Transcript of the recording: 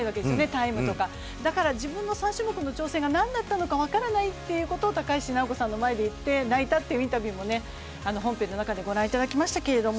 タイムとか、だから自分の３種目の挑戦が何だったのか分からないということを高橋尚子さんの前で言って泣いたっていうインタビューも本編の中でご覧いただきましたけど。